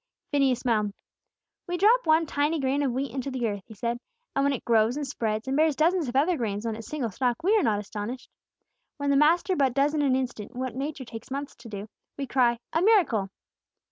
Phineas smiled. "We drop one tiny grain of wheat into the earth," he said, "and when it grows and spreads and bears dozens of other grains on its single stalk, we are not astonished. When the Master but does in an instant, what Nature takes months to do, we cry, 'a miracle!'